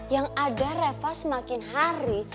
yang ada reva semakin hari